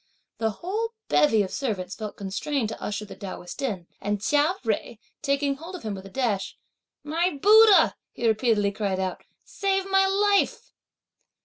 The whole bevy of servants felt constrained to usher the Taoist in; and Chia Jui, taking hold of him with a dash, "My Buddha!" he repeatedly cried out, "save my life!"